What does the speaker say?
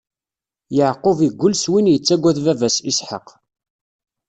Yeɛqub iggull s win yettagwd baba-s Isḥaq.